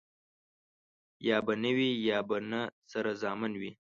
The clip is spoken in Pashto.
يا به نه وي ،يا به نه سره زامن وي.